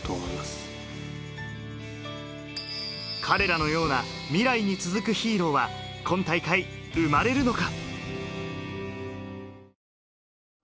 彼らのような未来に続くヒーローは今大会、生まれるのか？